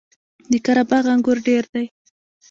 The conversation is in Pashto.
د قره باغ انګور ډیر دي